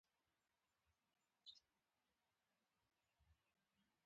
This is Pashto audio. میاشتې نه وي.